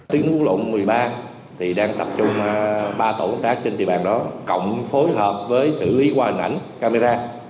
tiếng quốc lộ một mươi ba thì đang tập trung ba tổ công tác trên thị bàn đó cộng phối hợp với xử lý qua hình ảnh camera